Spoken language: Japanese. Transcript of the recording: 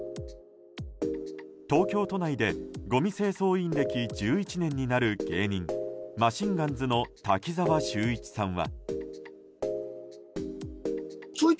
東京都内でごみ清掃員歴１１年になる芸人、マシンガンズの滝沢秀一さんは。